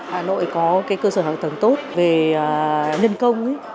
hà nội có cơ sở hạ tầng tốt về nhân công